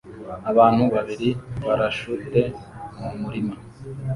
Abantu babiri parashute mumurima